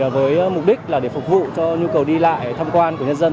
với mục đích là để phục vụ cho nhu cầu đi lại thăm quan của nhân dân